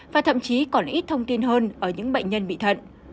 và thậm chí còn ít thông tin hơn ở những bệnh nhân bị thận